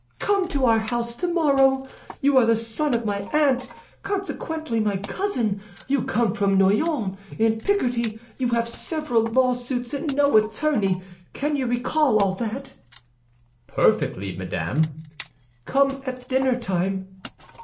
"Come to our house tomorrow. You are the son of my aunt, consequently my cousin; you come from Noyon, in Picardy; you have several lawsuits and no attorney. Can you recollect all that?" "Perfectly, madame." "Come at dinnertime."